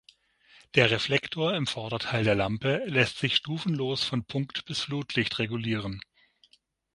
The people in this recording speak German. Der Reflektor im Vorderteil der Lampe lässt sich stufenlos von Punkt- bis Flutlicht regulieren.